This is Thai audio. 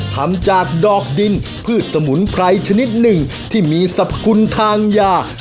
ทำจากดอกดินพืชสมุนไพรชนิดหนึ่งที่มีสรรพคุณทางยา